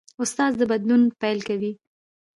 استاد د بدلون پیل کوي.